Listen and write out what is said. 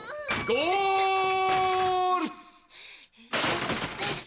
「ゴール！」